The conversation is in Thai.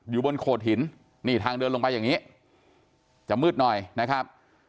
อยู่บนโขดหินนี่ทางเดินลงไปอย่างนี้จะมืดหน่อยนะครับ